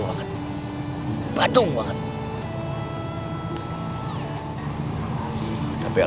woy dengerin aku boy